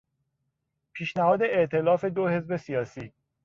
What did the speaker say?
پیشنهاد ائتلاف دو حزب سیاسی